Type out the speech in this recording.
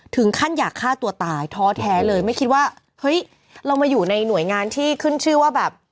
อยากฆ่าตัวตายท้อแท้เลยไม่คิดว่าเฮ้ยเรามาอยู่ในหน่วยงานที่ขึ้นชื่อว่าแบบ